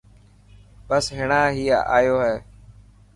بس هينڻا هي آيو هي.